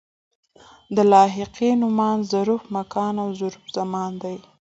د لاحقې نومان ظرف مکان او ظرف زمان دي.